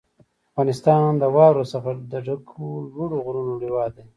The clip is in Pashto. افغانستان د واورو څخه د ډکو لوړو غرونو هېواد دی.